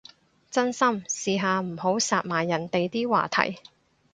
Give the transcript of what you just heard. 真心，試下唔好殺埋人哋啲話題